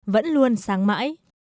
vẫn luôn sáng mãi